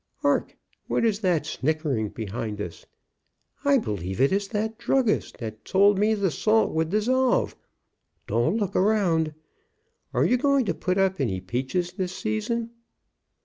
Hark, what is that snick ering behind us? I believe it is the druggist that told me the salt would dissolve. Don't look around. Are you going to put up any peaches tliis season?"